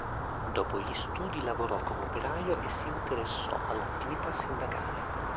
Dopo gli studi lavorò come operaio e si interessò all'attività sindacale.